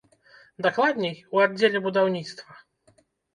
Дакладней, у аддзеле будаўніцтва.